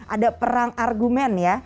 ada perang argumen ya